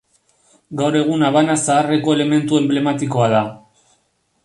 Gaur egun Habana Zaharreko elementu enblematikoa da.